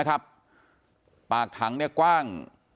กลุ่มตัวเชียงใหม่